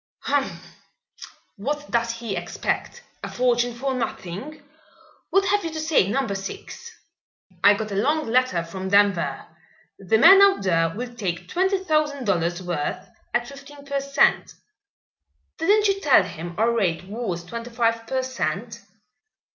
"Humph! What does he expect? A fortune for nothing? What have you to say, Number Six?" "I got a long letter from Denver. The man out there will take twenty thousand dollars' worth at fifteen per cent." "Didn't you tell him our rate was twenty five per cent.?"